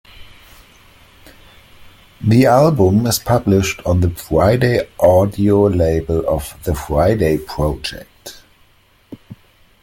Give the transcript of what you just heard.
The album is published on the Friday Audio label of The Friday Project.